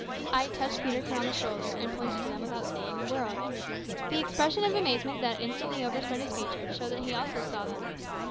I touched Peterkin on the shoulder, and pointed to them without saying a word. The expression of amazement that instantly overspread his features showed that he also saw them.